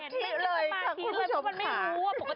คุณผู้ชมค่ะ